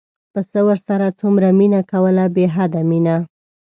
پسه ورسره څومره مینه کوله بې حده مینه.